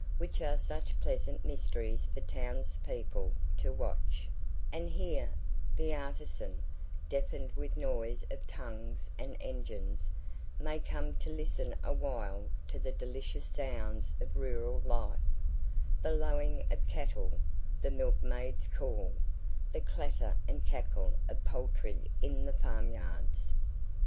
which are such pleasant mysteries for townspeople to watch; and here the artisan, deafened with noise of tongues and engines, may come to listen awhile to the delicious sounds of rural life: the lowing of cattle, the milk maids' call, the clatter and cackle of poultry in the old farm yards.